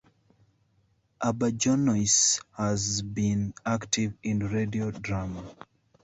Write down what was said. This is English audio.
Auberjonois has been active in radio drama.